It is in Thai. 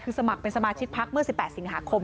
คือสมัครเป็นสมาชิกพักเมื่อ๑๘สิงหาคม